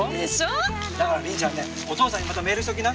だからりんちゃんねお父さんにまたメールしときな。